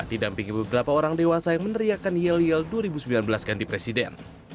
didampingi beberapa orang dewasa yang meneriakan yel yel dua ribu sembilan belas ganti presiden